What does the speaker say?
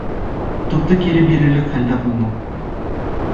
Тупты кире бирерлек хәлдә булмау